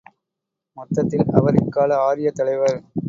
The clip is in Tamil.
மொத்தத்தில் அவர் இக்கால ஆரியத் தலைவர்.